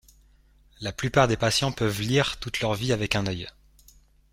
La plupart des patients peuvent lire toute leur vie avec un œil.